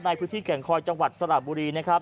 ในพื้นที่แก่งคอยจังหวัดสระบุรีนะครับ